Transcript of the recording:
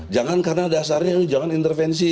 jangan karena dasarnya jangan intervensi